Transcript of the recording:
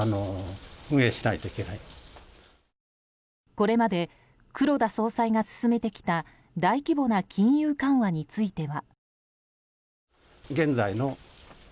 これまで黒田総裁が進めてきた大規模な金融緩和については。